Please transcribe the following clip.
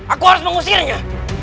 aku harus mengusirnya